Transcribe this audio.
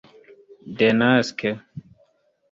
denaske